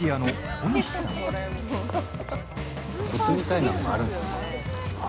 コツみたいなのがあるんですか？